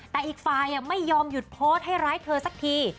แต่อีกฝ่ายไม่ยอมหยุดโพสต์ให้ร้ายเธอสักที